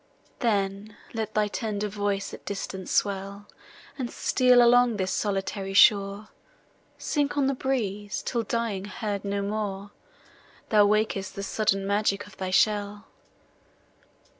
Then, let thy tender voice at distance swell, And steal along this solitary shore, Sink on the breeze, till dying—heard no more— Thou wak'st the sudden magic of thy shell.